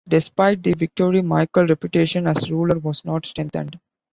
Despite the victory, Michael's reputation as ruler was not strengthened.